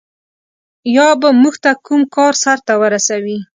یا به موږ ته کوم کار سرته ورسوي.